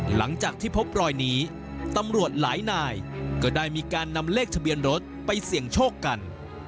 หลังจากที่พบรอยนี้ตำรวจหลายนายก็ได้มีการนำเลขทะเบียนรถไปเสี่ยงโชคกัน